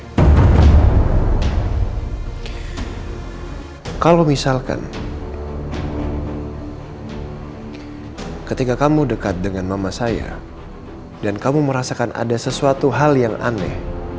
kalau misalkan ketika kamu dekat dengan mama saya dan kamu merasakan ada sesuatu hal yang aneh